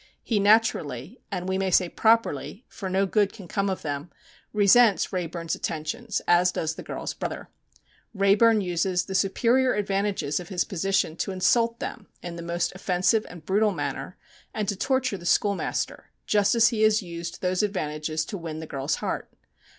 He naturally, and we may say properly, for no good can come of them, resents Wrayburn's attentions, as does the girl's brother. Wrayburn uses the superior advantages of his position to insult them in the most offensive and brutal manner, and to torture the schoolmaster, just as he has used those advantages to win the girl's heart.